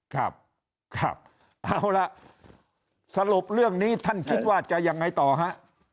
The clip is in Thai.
ครับครับเอาล่ะสรุปเรื่องนี้ท่านคิดว่าจะยังไงต่อฮะ